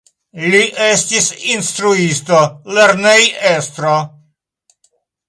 Li estis instruisto, lernejestro.